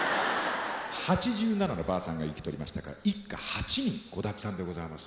８７のばあさんが生きておりましたから一家８人子だくさんでございます。